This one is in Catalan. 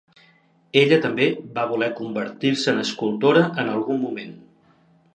Ella també va voler convertir-se en escultora en algun moment.